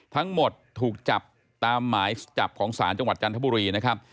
ทั้งหมดถูกจับตามหมายจับของศาลจังหวัดจันทบุรีนะครับ